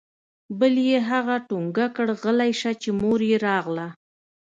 بل يې هغه ټونګه كړ غلى سه چې مور يې راغله.